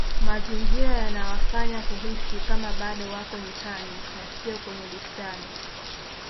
mazingira yanawafanya kuhisi Kama bado wako nyikani na siyo kwenye bustani